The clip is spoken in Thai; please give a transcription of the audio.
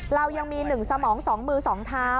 เรายังมีหนึ่งสมองสองมือสองเท้า